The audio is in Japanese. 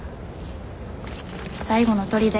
最後のとりで。